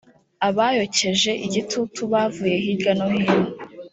abayokeje igitutu bavuye hirya no hino .